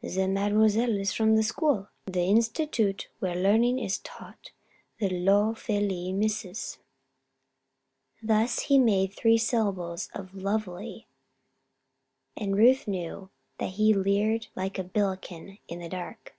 "The Mademoiselle is from the school the institute where learning is taught the lo fe ly Misses?" He thus made three syllables of "lovely" and Ruth knew that he leered like a Billiken in the dark.